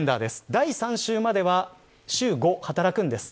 第３週までは週５働くんです。